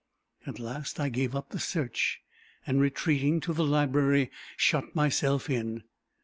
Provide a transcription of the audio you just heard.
At last, I gave up the search, and, retreating to the library, shut myself in.